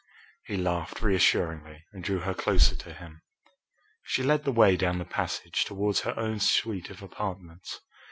He laughed reassuringly and drew her closer to him. She led the way down the passage towards her own suite of apartments.